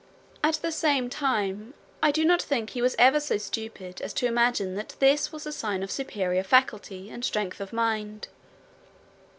At the same time I do not think he was ever so stupid as to imagine that this was a sign of superior faculty and strength of mind.